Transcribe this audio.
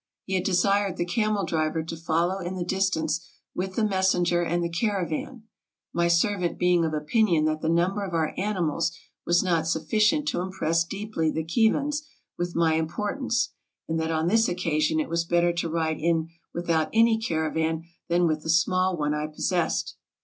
He had desired the camel driver to follow in the distance with the messenger and the caravan, my servant being of opinion that the number of our animals was not sufficient to impress deeply the Khivans with my importance, and that on this occasion it was better to ride in without any caravan than with the small one I possessed.